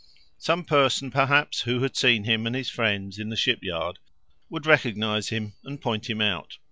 Some person, perhaps, who had seen him and his friends in the ship yard, would recognize him and point him out.